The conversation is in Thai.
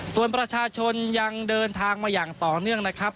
ส่วนประชาชนยังเดินทางมาอย่างต่อเนื่องนะครับ